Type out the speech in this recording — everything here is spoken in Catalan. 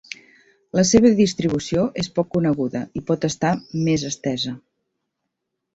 La seva distribució és poc coneguda i pot estar més estesa.